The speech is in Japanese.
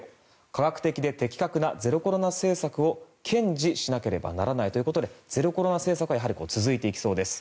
科学的で的確なゼロコロナ政策を堅持しなければならないということでゼロコロナ政策は続いていきそうです。